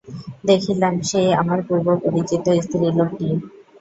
দেখিলাম, সেই আমার পূর্বপরিচিত স্ত্রীলোকটি।